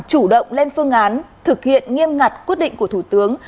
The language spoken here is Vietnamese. chủ động lên phương án thực hiện nghiêm ngặt quyết định của thủ tướng